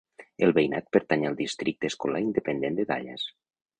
El veïnat pertany al districte escolar independent de Dallas.